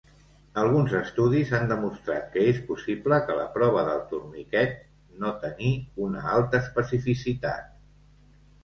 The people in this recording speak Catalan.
Alguns estudis han demostrat que és possible que la prova del torniquet no tenir una alta especificitat.